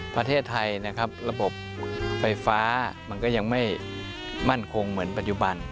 ประเทศไทยนะครับระบบไฟฟ้ามันก็ยังไม่มั่นคงเหมือนปัจจุบัน